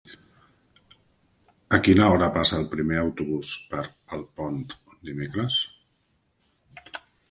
A quina hora passa el primer autobús per Alpont dimecres?